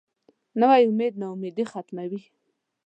نوی امید نا امیدي ختموي